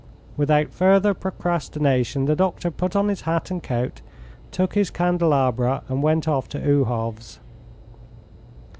Without further procrastination the doctor put on his hat and coat, took the candelabra and went off to Uhov's.